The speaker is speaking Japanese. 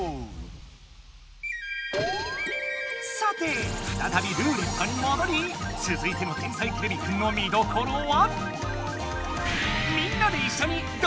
さてふたたびルーレットにもどりつづいての「天才てれびくん」の見どころは。